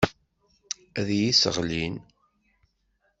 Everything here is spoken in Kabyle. Ad iyi-sseɣlin.